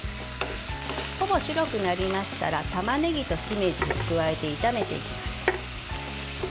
ほぼ白くなりましたらたまねぎとしめじを加えて炒めていきます。